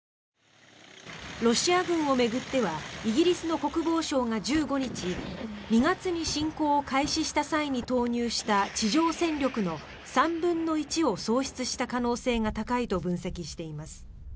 ロシア軍を巡ってはイギリスの国防省が１５日２月に侵攻を開始した際に投入した地上戦力の３分の１を喪失した可能性が高いと分析しています。